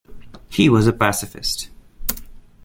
He was a pacifist.